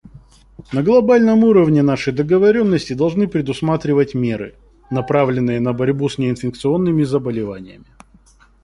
На глобальном уровне наши договоренности должны предусматривать меры, направленные на борьбу с неинфекционными заболеваниями.